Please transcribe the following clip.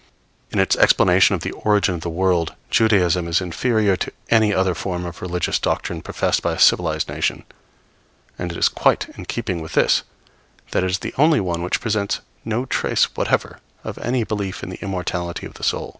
In its explanation of the origin of the world, Judaism is inferior to any other form of religious doctrine professed by a civilized nation; and it is quite in keeping with this that it is the only one which presents no trace whatever of any belief in the immortality of the soul.